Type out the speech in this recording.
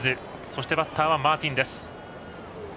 そしてバッターはマーティンです。